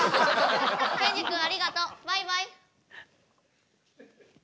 ケンジ君ありがとう。バイバイ。